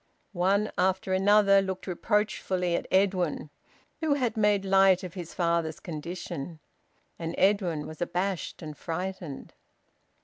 One after another looked reproachfully at Edwin, who had made light of his father's condition. And Edwin was abashed and frightened.